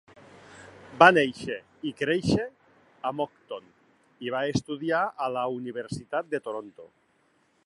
Va néixer i créixer a Moncton i va estudiar a la Universitat de Toronto.